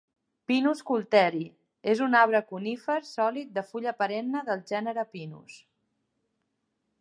"Pinus coulteri" és un arbre conífer sòlid de fulla perenne del gènere "Pinus".